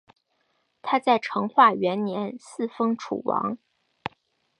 他在成化元年嗣封楚王。